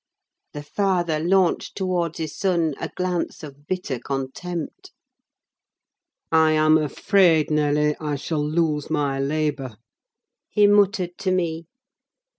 The father launched towards his son a glance of bitter contempt. "I am afraid, Nelly, I shall lose my labour," he muttered to me.